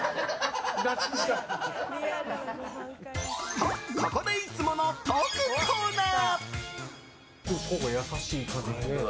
と、ここでいつものトークコーナー。